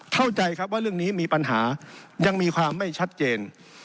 เข้าใจครับว่าเรื่องนี้มีปัญหายังมีความไม่ชัดเจน